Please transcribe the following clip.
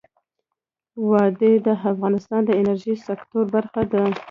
وادي د افغانستان د انرژۍ سکتور برخه ده.